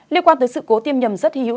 liên quan tới sự cố tiêm nhầm rất hy hữu